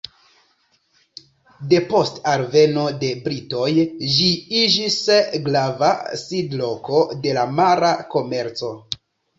Depost alveno de britoj ĝi iĝis grava sidloko de la mara komerco.